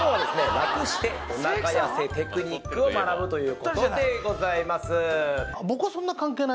楽しておなか痩せテクニックを学ぶということでございます